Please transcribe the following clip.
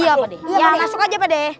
iya pak d masuk aja pak d